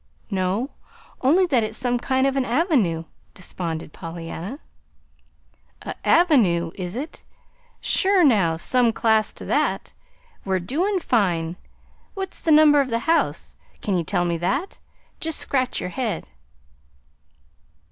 "No only that it's some kind of an avenue," desponded Pollyanna. "A avenOO, is it? Sure, now, some class to that! We're doin' fine. What's the number of the house? Can ye tell me that? Just scratch your head!"